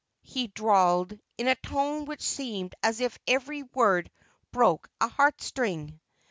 he drawled, in a tone which seemed as if every word broke a heart string.